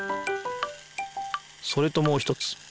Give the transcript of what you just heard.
それともう一つ。